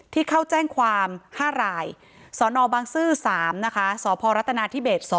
เข้าแจ้งความ๕รายสนบังซื้อ๓นะคะสพรัฐนาธิเบส๒